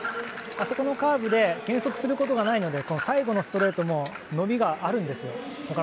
あそこのカーブで減速することがないので最後のストレートも伸びがあるんですよ。